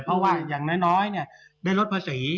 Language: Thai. เพราะว่าอย่างน้อยได้ลดภาษี